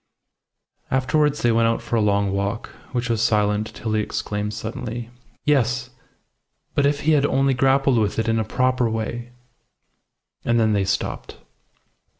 Afterwards they went out for a long walk, which was silent till he exclaimed suddenly "Yes. But if he had only grappled with it in a proper way!" And then they stopped.